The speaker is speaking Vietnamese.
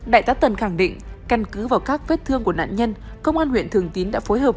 đại tá tần khẳng định căn cứ vào các vết thương của nạn nhân công an huyện thường tín đã phối hợp